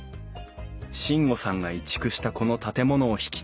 進悟さんが移築したこの建物を引き継ぎ